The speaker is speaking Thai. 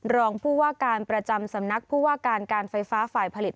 รองผู้ว่าการประจำสำนักผู้ว่าการการไฟฟ้าฝ่ายผลิต